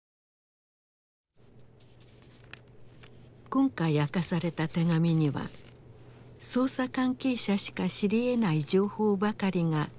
今回明かされた手紙には捜査関係者しか知りえない情報ばかりが記されていた。